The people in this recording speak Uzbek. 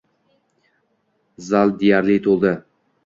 Zal deyarli to‘ldi.